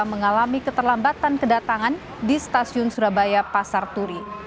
mengalami keterlambatan kedatangan di stasiun surabaya pasar turi